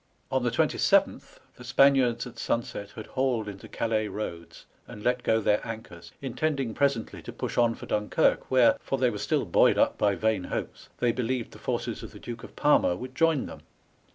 On the 27th the Spaniards at sunset had hauled into Calais Boads and let go their anchors, intending presently to push on for Dunkirk, where — for they were still buoyed up by vain hopes — they believed the forces of the Duke of Parma would join them.